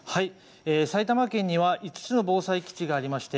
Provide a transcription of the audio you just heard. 埼玉県には５つの防災基地がありまして